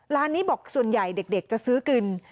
ร้านนี้บอกส่วนใหญ่เด็กจะซื้อกิน